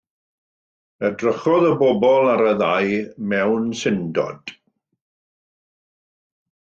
Edrychodd y bobl ar y ddau mewn syndod.